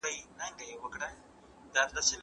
ممکن د لور مزاج ئې جلا وي.